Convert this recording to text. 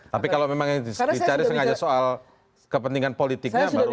tapi kalau memang yang dicari sengaja soal kepentingan politiknya baru